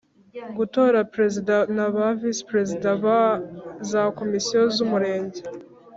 Gutora ba Perezida na ba Visi Perezida ba za Komisiyo z Umurenge